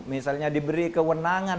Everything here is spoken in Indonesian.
misalnya diberi kewenangan